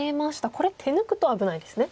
これ手抜くと危ないですね。